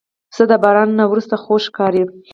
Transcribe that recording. پسه د باران نه وروسته خوښ ښکاري.